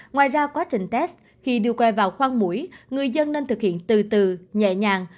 ngoài ra quá trình test khi đưa quay vào khoang mũi người dân nên thực hiện từ từ nhẹ nhàng